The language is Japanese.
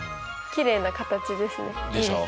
きれいな形ですね。でしょ？